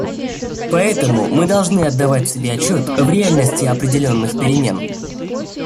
Поэтому мы должны отдавать себе отчет в реальности определенных перемен.